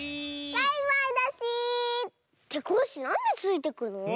バイバイだし！ってコッシーなんでついていくの？